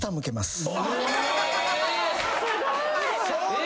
すごい！